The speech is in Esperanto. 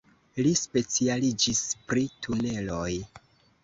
Li specialiĝis pri tuneloj.